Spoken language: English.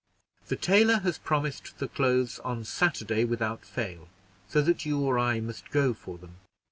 The tailor has promised the clothes on Saturday without fail, so that you or I must go for them."